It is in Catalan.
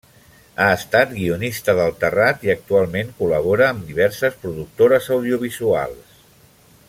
Ha estat guionista d'El Terrat i actualment col·labora amb diverses productores audiovisuals.